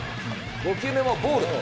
５球目もボール。